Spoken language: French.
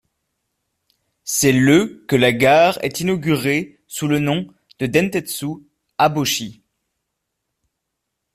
C'est le que la gare est inaugurée sous le nom de Dentetsu Aboshi.